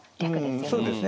そうですね。